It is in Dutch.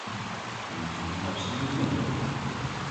Neemt u hier alstublieft nota van.